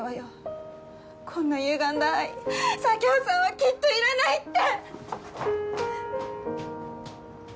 こんなゆがんだ愛佐京さんはきっといらないって！